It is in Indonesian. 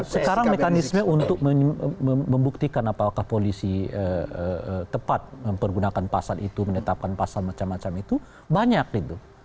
sekarang mekanisme untuk membuktikan apakah polisi tepat mempergunakan pasal itu menetapkan pasal macam macam itu banyak gitu